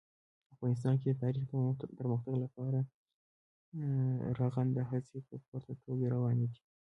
افغانستان کې د تاریخ د پرمختګ لپاره رغنده هڅې په پوره توګه روانې دي.